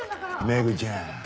メグちゃん。